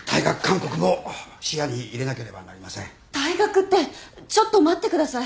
退学ってちょっと待ってください。